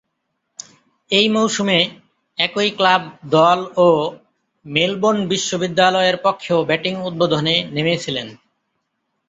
ঐ মৌসুমে একই ক্লাব দল ও মেলবোর্ন বিশ্ববিদ্যালয়ের পক্ষেও ব্যাটিং উদ্বোধনে নেমেছিলেন।